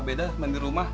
beda main di rumah